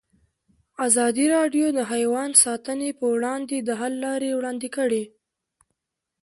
ازادي راډیو د حیوان ساتنه پر وړاندې د حل لارې وړاندې کړي.